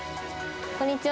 こんにちは。